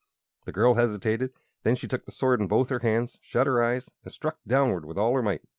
The girl hesitated. Then she took the sword in both her hands, shut her eyes, and struck downward with all her might.